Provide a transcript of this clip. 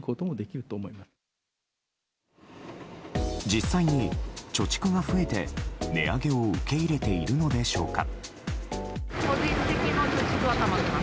実際に貯蓄が増えて、値上げを受け入れているのでしょうか。